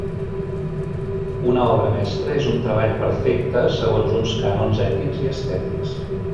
Una obra mestra és un treball perfecte segons uns cànons ètics i estètics.